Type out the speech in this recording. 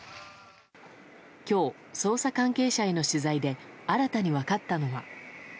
今日、捜査関係者への取材で新たに分かったのは。